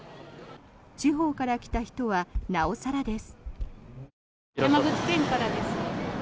地方から来た人はなお更です。